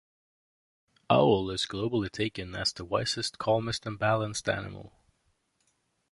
Owl is globally taken as the wisest, calmest and balanced animal.